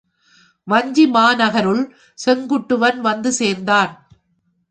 வஞ்சி மாநகருள் செங்குட்டுவன் வந்து சேர்ந்தான்.